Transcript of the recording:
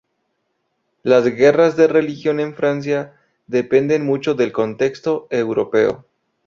Las guerras de religión en Francia dependen mucho del contexto europeo.